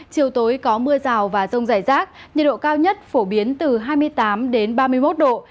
chiều tối có mưa rào và rông rải rác nhiệt độ cao nhất phổ biến từ hai mươi tám ba mươi một độ